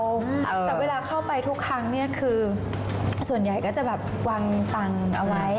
แต่เวลาเข้าไปทุกครั้งเนี่ยคือส่วนใหญ่ก็จะแบบวางตังค์เอาไว้